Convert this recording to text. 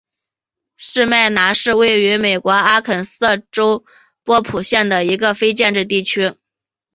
士麦拿是位于美国阿肯色州波普县的一个非建制地区。